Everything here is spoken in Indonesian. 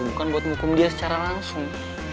bukan buat hukum dia secara langsung